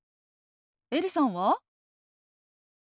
エリさんは？